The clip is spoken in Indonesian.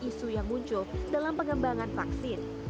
isu yang muncul dalam pengembangan vaksin